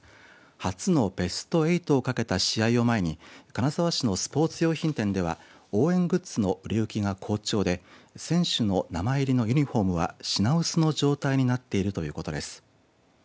初のベスト８を懸けた試合を前に金沢市のスポーツ用品店では応援グッズの売れ行きが好調で選手の名前入りのユニホームは品薄の状態になっているということです。